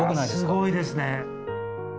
すごいですね。